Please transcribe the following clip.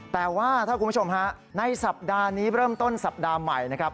แต่ว่าถ้าคุณผู้ชมฮะในสัปดาห์นี้เริ่มต้นสัปดาห์ใหม่นะครับ